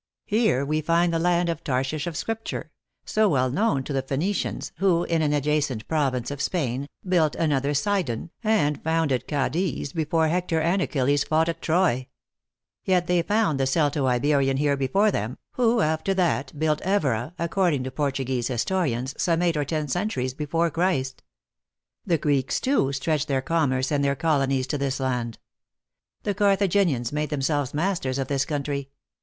Here we find the land of Tarshish of Scripture, so well known to the Phoenicians, who, in an adjacent province of Spain, built another Sidon, and founded Cadiz before Hector and Achilles fought at Troy. THE ACTRESS IN HIGH LIFE. 163 Yet they found the Celto Iberian here before them who after that built Evora, according to Portuguese historians, some eight or ten centuries before Christ. The Greeks, too, stretched their commerce and their colonies to this land. The Carthaginians made them selves masters of this country.